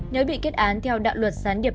nếu bị kết án theo đạo luật gián điệp